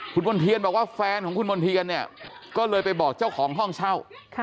คุณมณ์เทียนบอกว่าแฟนของคุณมณ์เทียนเนี่ยก็เลยไปบอกเจ้าของห้องเช่า